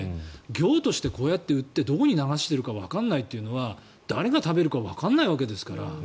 業としてこうやって売ってどこに流しているかわからないというのは誰が食べるかわからないわけですから。